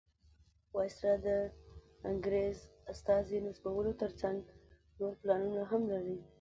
وایسرا د انګریز استازي نصبولو تر څنګ نور پلانونه هم لري.